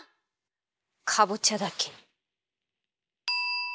かぼちゃだけに！